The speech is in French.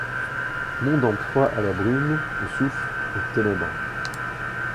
Monde en proie à la brume, aux souffles, aux ténèbres!